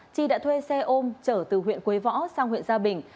chi đã thuê xe ôm trở từ huyện quế võ sang huyện gia bình